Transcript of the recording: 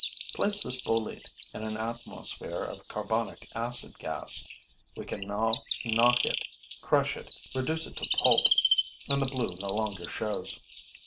Place this bolete in an atmosphere of carbonic acid gas. We can now knock it, crush it, reduce it to pulp; and the blue no longer shows.